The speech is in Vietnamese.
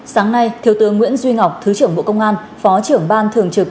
sáng nay thiếu tướng nguyễn duy ngọc thứ trưởng bộ công an phó trưởng ban thường trực